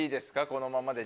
このままで。